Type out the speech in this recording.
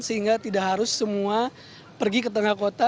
sehingga tidak harus semua pergi ke tengah kota